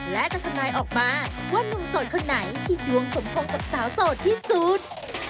และจะทำนายออกมาว่านุ่มโสดคนไหนที่ดวงสมพงษ์กับสาวโสดที่สุด